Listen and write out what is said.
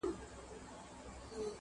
چي هره چېغه پورته کم پاتېږي پر ګرېوان؛؛!